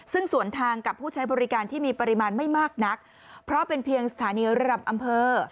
ซึ่งสวนทางกับผู้ใช้บริการที่มีปริมาณไม่มากนักเพราะเป็นเพียงสถานีระดับอำเภอ